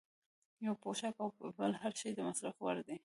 پوښاک او بل هر شی د مصرف وړ دی.